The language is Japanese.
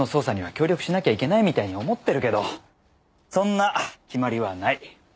協力しなきゃいけないみたいに思ってるけどそんな決まりはない。